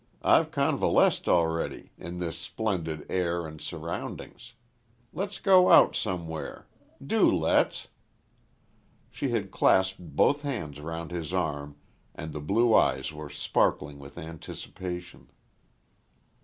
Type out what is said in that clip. I've convalesced already, in this splendid air and surroundings. Let's go out somewhere. Do let's." She had clasped both hands round his arm and the blue eyes were sparkling with anticipation.